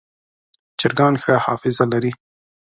چرګان ښه حافظه لري.